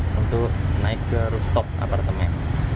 lalu naik ke ruktop apartemen